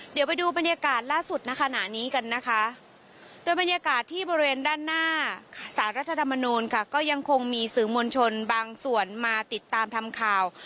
เดี๋ยวไปดูบรรยากาศล่าสุดในขณะนี้กันนะคะโดยบรรยากาศที่บริเวณด้านหน้าสารรัฐธรรมนูลค่ะก็ยังคงมีสื่อมวลชนบางส่วนมาติดตามทำข่าว